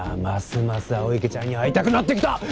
ますます青池ちゃんに会いたくなってきた！